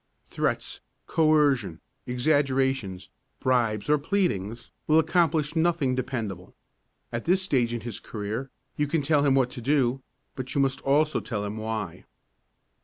Threats, coercion, exaggerations, bribes or pleadings will accomplish nothing dependable. At this stage in his career you can tell him what to do, but you must also tell him why.